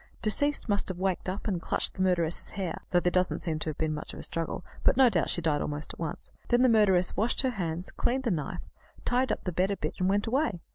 Deceased must have waked up and clutched the murderess's hair though there doesn't seem to have been much of a struggle; but no doubt she died almost at once. Then the murderess washed her hands, cleaned the knife, tidied up the bed a bit, and went away.